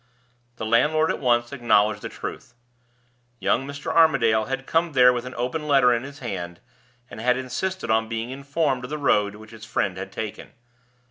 The landlord at once acknowledged the truth: young Mr. Armadale had come there with an open letter in his hand, and had insisted on being informed of the road which his friend had taken.